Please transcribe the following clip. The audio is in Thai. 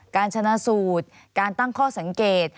การชนะสูตรการตั้งข้อสังเกต